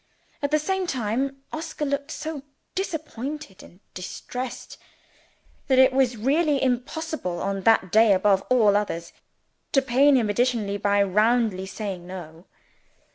At the same time, Oscar looked so disappointed and distressed, that it was really impossible, on that day above all others, to pain him additionally by roundly saying No.